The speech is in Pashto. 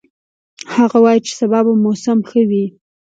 هغه وایي چې سبا به موسم ښه وي